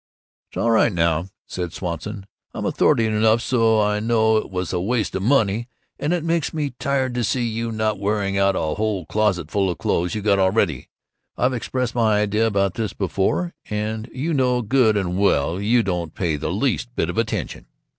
"That's all right now," said Swanson. "I'm authority enough so I know it was a waste of money, and it makes me tired to see you not wearing out a whole closetful of clothes you got already. I've expressed my idea about this before, and you know good and well you didn't pay the least bit of attention.